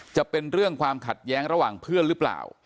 จะเป็นเรื่องความขัดแย้งระหว่างเพื่อนหรือเปล่า